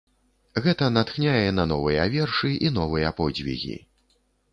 Гэта натхняе на новыя вершы і новыя подзвігі.